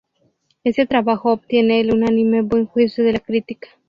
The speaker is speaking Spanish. Este trabajo obtiene el unánime buen juicio de la crítica.